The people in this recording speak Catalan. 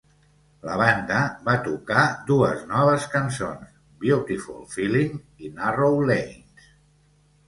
La banda va tocar dues noves cançons, "Beautiful Feeling" i "Narrow Lanes".